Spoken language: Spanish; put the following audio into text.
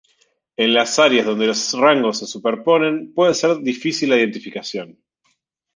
En las áreas donde los rangos se superponen puede ser difícil la identificación.